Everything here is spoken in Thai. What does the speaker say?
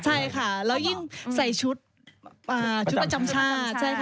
ใช่ค่ะแล้วยิ่งใส่ชุดชุดประจำชาติ